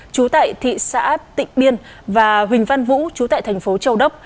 chú tại thị xã tịnh biên và huỳnh văn vũ chú tại thành phố châu đốc